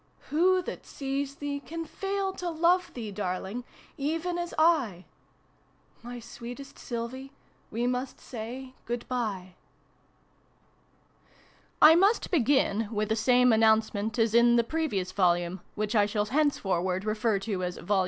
SHto, tfjat sees tfjee, (Kan fail to lobe tfjee, Barling, eben as !? stoeetest 5Blbte, toe must sag ' icsiros PREFACE. I MUST begin with the same announcement as in the previous Volume (which I shall henceforward refer to as "Vol.